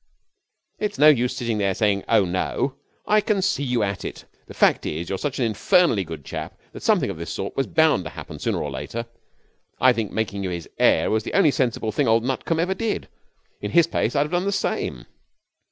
'It's no use sitting there saying "Oh, no!" I can see you at it. The fact is, you're such an infernally good chap that something of this sort was bound to happen to you sooner or later. I think making you his heir was the only sensible thing old Nutcombe ever did. In his place I'd have done the same.'